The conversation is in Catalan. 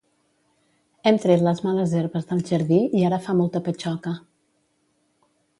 Hem tret les males herbes del jardí i ara fa molta patxoca.